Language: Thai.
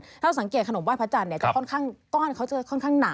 ถ้าเราสังเกตขนมไหว้พระจันทร์ก้อนเขาก็จะค่อนข้างหนา